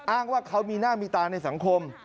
อ้างว่าเขามีหน้ามีตาในสังคม